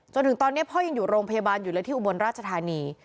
จนถึงตอนนี้พ่อยังอยู่โรงพยาบาลอยู่เลยที่อุบลราชธานี